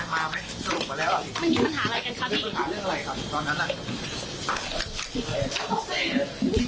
มันมีปัญหาอะไรกันครับพี่